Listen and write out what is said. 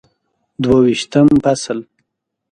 دوه ویشتم فصل